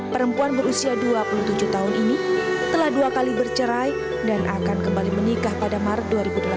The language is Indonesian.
perempuan berusia dua puluh tujuh tahun ini telah dua kali bercerai dan akan kembali menikah pada maret dua ribu delapan belas